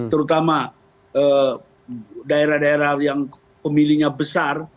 terutama daerah daerah yang pemilihnya besar